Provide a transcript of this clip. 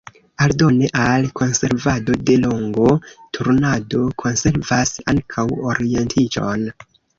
Aldone al konservado de longo, turnado konservas ankaŭ orientiĝon.